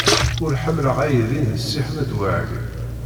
Ur ḥemmleɣ aydi n Si Ḥmed Waɛli.